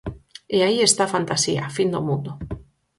E aí está a fantasía: a fin do mundo.